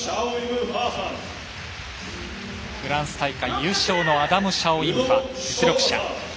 フランス大会優勝のアダム・シャオイムファ、実力者。